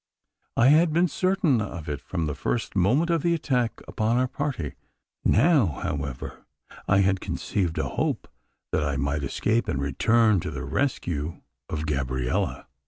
I had been certain of it, from the first moment of the attack upon our party. Now, however, I had conceived a hope that I might escape, and return to the rescue of Gabriella.